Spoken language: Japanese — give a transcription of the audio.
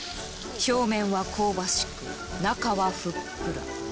表面は香ばしく中はふっくら。